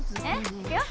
いくよ